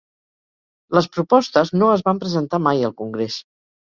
Les propostes no es van presentar mai al Congrés.